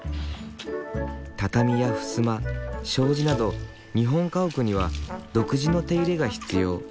畳やふすま障子など日本家屋には独自の手入れが必要。